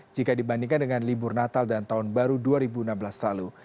jika dibandingkan dengan libur natal dan tahun baru dua ribu enam belas lalu